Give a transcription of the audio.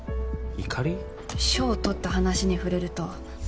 賞を獲った話に触れると。